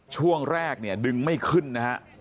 ช่วงแรกเนี่ยดึงไม่ขึ้นนะฮะ